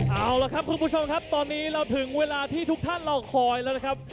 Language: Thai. เอาล่ะครับคุณผู้ชมครับตอนนี้เราถึงเวลาที่ทุกท่านรอคอยแล้วนะครับ